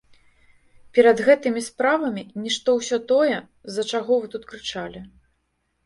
Перад гэтымі справамі нішто ўсё тое, з-за чаго вы тут крычалі.